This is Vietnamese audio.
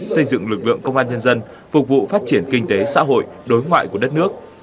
xây dựng lực lượng công an nhân dân phục vụ phát triển kinh tế xã hội đối ngoại của đất nước